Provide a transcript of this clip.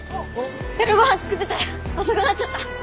夜ご飯作ってたら遅くなっちゃった。